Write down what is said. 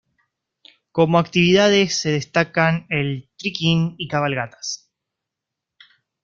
Como actividades se destacan el trekking y cabalgatas.